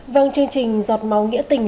vâng chương trình giọt máu nghĩa tình